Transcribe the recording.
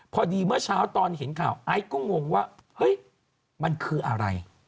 เมื่อเช้าตอนเห็นข่าวไอซ์ก็งงว่าเฮ้ยมันคืออะไร